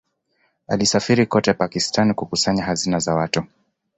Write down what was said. Alisafiri kote Pakistan kukusanya hazina za watu.